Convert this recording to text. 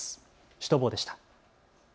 シュトボーでした。